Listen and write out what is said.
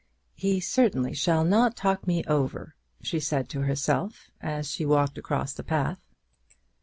"He certainly shall not talk me over," she said to herself as she walked across the park.